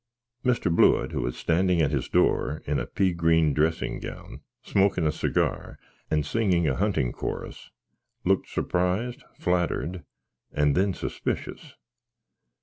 Mr. Blewitt, who was standing at his door, in a pe green dressing gown, smoakin a segar, and singing a hunting coarus, looked surprised, flattered, and then suspicius.